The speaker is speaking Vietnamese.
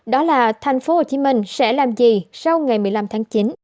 đó là thành phố hồ chí minh sẽ làm gì sau ngày một mươi năm tháng chín